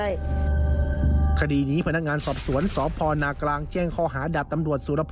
อิทธิบายการแค่ด้วยการแนบเท่าไหร่